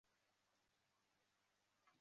公园中的韩国民俗村是受欢迎的景点。